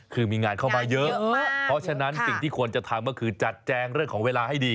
คือมีงานเข้ามาเยอะเพราะฉะนั้นสิ่งที่ควรจะทำก็คือจัดแจงเรื่องของเวลาให้ดี